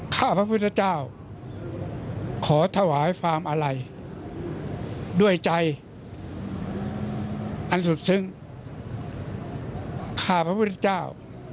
ข้าพระพุทธเจ้าขอถวายความอาลัยด้วยใจอันสุดซึ้งข้าพระพุทธเจ้า